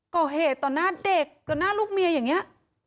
ก่อเหตุต่อหน้าเด็กต่อหน้าลูกเมียอย่างนี้